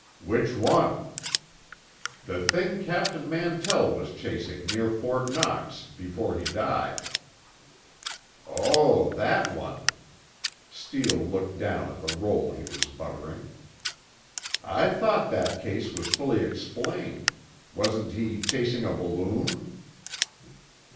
"Which one?" "The thing Captain Mantell was chasing near Fort Knox, before he died." "Oh, that one." Steele looked down at the roll he was buttering. "I thought that case was fully explained. Wasn't he chasing a balloon?"